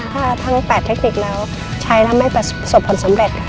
ถ้าทั้ง๘เทคติกแล้วใช้แล้วไม่ประสบผลสำเร็จค่ะ